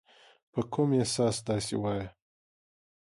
په کوم اساس داسي وایې ؟